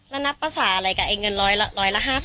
แล้วนับภาษาอะไรกับไอ้เงินร้อยละ๕๐